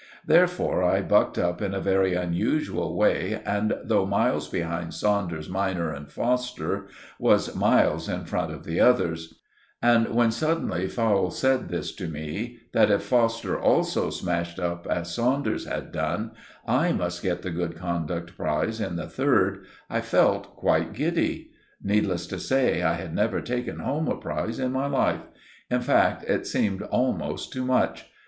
Therefore, I bucked up in a very unusual way, and though miles behind Saunders minor and Foster, was miles in front of the others; and when suddenly Fowle said this to me, that if Foster also smashed up as Saunders had done, I must get the Good Conduct Prize in the third, I felt quite giddy. Needless to say, I had never taken home a prize in my life. In fact, it seemed almost too much.